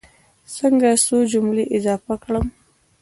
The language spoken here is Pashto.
څنګه څو جملې اضافه کړم.